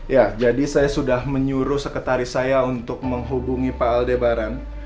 ya jadi saya sudah menyuruh sekretaris saya untuk menghubungi pak aldebaran